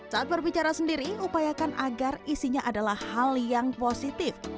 saat berbicara sendiri upayakan agar isinya adalah hal yang positif